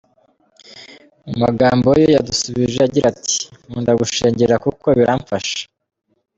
Mu magambo ye yadusubije agira ati :" Nkunda gushengerera kuko biramfasha.